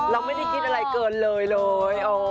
เราไม่ได้คิดอะไรเกินเลยเลย